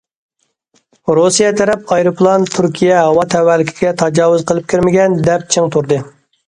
رۇسىيە تەرەپ ئايروپىلان تۈركىيە ھاۋا تەۋەلىكىگە تاجاۋۇز قىلىپ كىرمىگەن، دەپ چىڭ تۇردى.